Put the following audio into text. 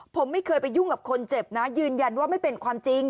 ผมไม่เคยไปยุ่งกับคนเจ็บนะยืนยันว่าไม่เป็นความจริง